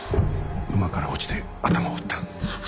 馬から落ちて頭を打った。